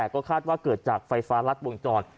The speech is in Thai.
ก็คาดว่าเกิดจากไฟฟ้ารัดวงจร